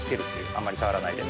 あんまり触らないで。